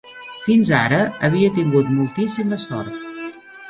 Fins ara, havia tingut moltíssima sort.